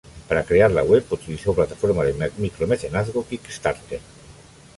Para crear la web, utilizó la plataforma de micromecenazgo Kickstarter.